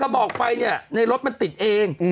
กระบอกไฟในรถมันติดเอง